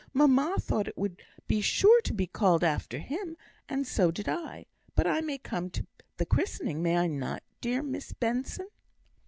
Mamma thought it would be sure to be called after him, and so did I. But I may come to the christening, may I not, dear Miss Benson?"